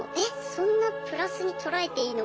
そんなプラスに捉えていいの？